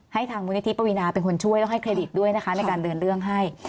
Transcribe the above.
ทางมูลนิธิปวีนาเป็นคนช่วยแล้วให้เครดิตด้วยนะคะในการเดินเรื่องให้